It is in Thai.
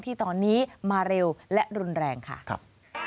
ที่ตอนนี้มาเร็วและรุนแรงค่ะครับ